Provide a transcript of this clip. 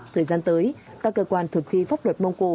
thời gian tới các cơ quan thực thi pháp luật mông cổ